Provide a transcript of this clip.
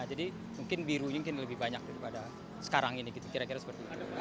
jadi mungkin birunya mungkin lebih banyak daripada sekarang ini gitu kira kira seperti itu